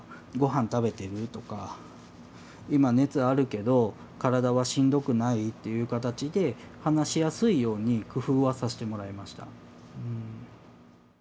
「御飯食べてる？」とか「今熱あるけど体はしんどくない？」っていう形で話しやすいように工夫はさせてもらいました。